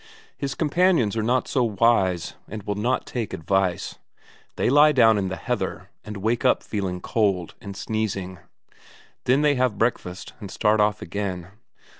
His companions are not so wise, and will not take advice; they lie down in the heather, and wake up feeling cold, and sneezing. Then they have breakfast and start off again.